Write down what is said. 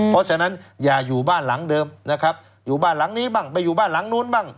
เพราะฉะนั้นอย่าอยู่บ้านหลังเดิมนะครับอยู่บ้านหลังนี้บ้างไปอยู่บ้านหลังนู้นบ้าง